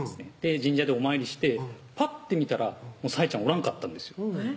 神社でお参りしてぱって見たらさえちゃんおらんかったんですよ